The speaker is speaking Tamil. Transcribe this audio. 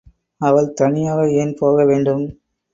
அவள் தனியாக ஏன் போக வேண்டும்?